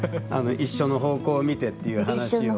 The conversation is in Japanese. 一緒の方向を見てっていう話を。